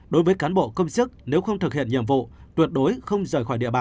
đối với cán bộ công chức nếu không thực hiện nhiệm vụ tuyệt đối không rời khỏi địa bàn